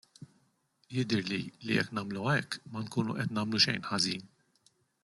Jidhirli li jekk nagħmluha hekk ma nkunu qed nagħmlu xejn ħażin.